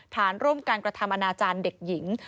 ฐานร่วมการกรรธรรมนาอาจารย์เด็กหญิง